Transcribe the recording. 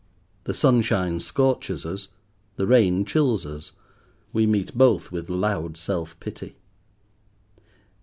The sunshine scorches us, the rain chills us. We meet both with loud self pity.